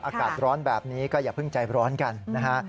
อากาศร้อนแบบนี้ก็อย่าเพิ่งใจร้อนกันนะฮะ